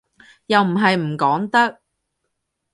又唔係唔講得